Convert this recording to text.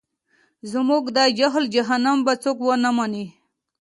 زموږ د جهل جهنم به څوک ونه مني.